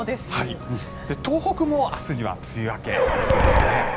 東北も明日には梅雨明けしそうですね。